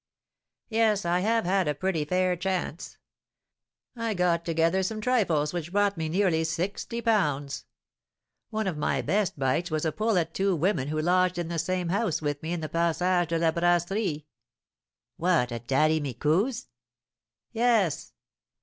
"Yes, I have had a pretty fair chance. I got together some trifles which brought me nearly sixty pounds. One of my best bites was a pull at two women who lodged in the same house with me in the Passage de la Brasserie." "What, at Daddy Micou's?" "Yes."